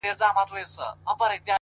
لوړ لید واټنونه کوچني کوي.!